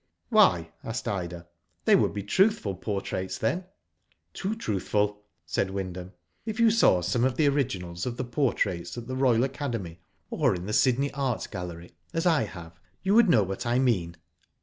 "Why?" asked Ida. "They would be truthful portraits then." "Too truthful," said Wyndham. "If you saw some, of the originals of the portraits at the Royal Digitized by Google 154 ^^O DID IT? Academy, or in the Sydney Art Gallery, as I have, you would know what I mean."